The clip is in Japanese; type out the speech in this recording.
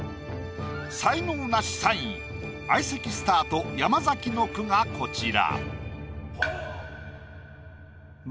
才能ナシ３位相席スタート山の句がこちら。